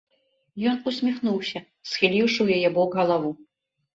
Ён усміхнуўся, схіліўшы ў яе бок галаву.